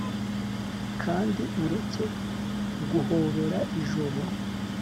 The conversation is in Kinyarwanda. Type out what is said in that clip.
kandi ureke guhobera ijoro